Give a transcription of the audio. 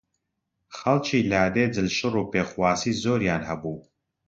خەڵکی لادێ جلشڕ و پێخواسی زۆریان هەبوو